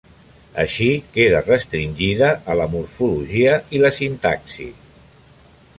Així, queda restringida a la morfologia, i la sintaxi.